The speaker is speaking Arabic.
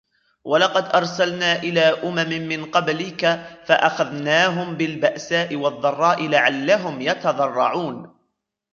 وَلَقَدْ أَرْسَلْنَا إِلَى أُمَمٍ مِنْ قَبْلِكَ فَأَخَذْنَاهُمْ بِالْبَأْسَاءِ وَالضَّرَّاءِ لَعَلَّهُمْ يَتَضَرَّعُونَ